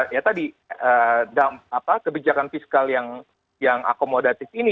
ya tadi kebijakan fiskal yang akomodatif ini